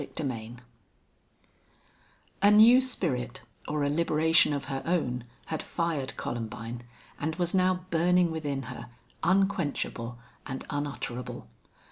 CHAPTER IX A new spirit, or a liberation of her own, had fired Columbine, and was now burning within her, unquenchable and unutterable.